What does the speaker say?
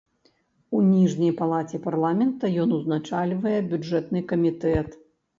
У ніжняй палаце парламента ён узначальвае бюджэтны камітэт.